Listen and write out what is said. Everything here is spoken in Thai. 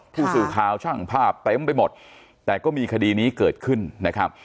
ผู้สื่อข่าวช่างภาพเต็มไปหมดแต่ก็มีคดีนี้เกิดขึ้นนะครับ